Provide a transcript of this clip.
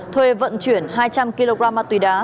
thuê vận chuyển hai trăm linh kg mặt tùy đá